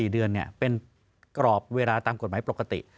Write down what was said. ๔เดือนเป็นกรอบเวลาตามกฎหมายปกติ